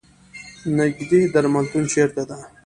نیږدې درملتون چېرته ده؟